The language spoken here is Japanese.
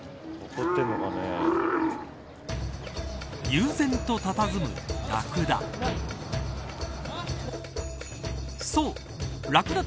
悠然とたたずむラクダ。